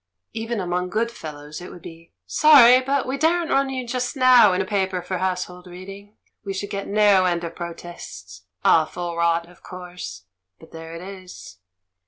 Even among good fellows, it would be, "Sorry, but we daren't run you just now in a paper for household reading — we should get no end of protests. Awful rot, of course, but there it is!"